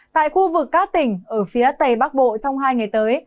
tại khu vực các tỉnh ở phía tây bắc bộ trong hai ngày tới